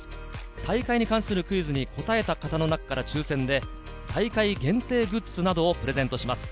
大会に関するクイズに答えた方の中から抽選で大会限定グッズなどをプレゼントします。